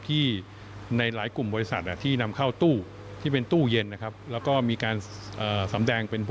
ที่ในหลายกลุ่มบริษัทที่นำเข้าตู้ที่เป็นตู้เย็นนะครับ